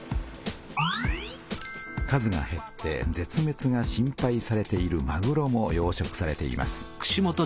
数がへって絶滅が心配されているまぐろも養殖されています。